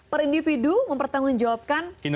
per individu mempertanggungjawabkan